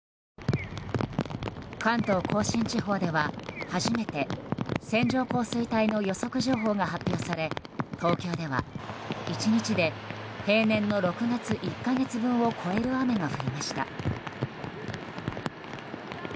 関東・甲信地方では初めて線状降水帯の予測情報が発表され東京では、１日で平年の６月１か月分を超える雨が降りました。